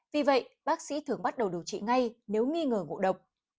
vì vậy bác sĩ thường bắt đầu điều trị ngay nếu nghi ngờ ngộ độc